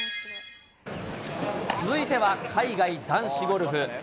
続いては、海外男子ゴルフ。